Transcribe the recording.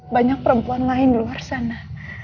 banyak perempuan lain di luar sana